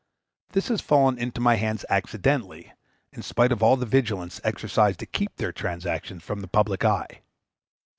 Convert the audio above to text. This has fallen into my hands accidentally, in spite of all the vigilance exercised to keep their transactions from the public eye.